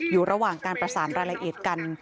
อยู่ระหว่างการประสานรายละเอียดกัน